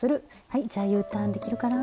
はいじゃあＵターンできるかな。